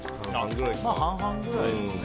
半々くらいですね。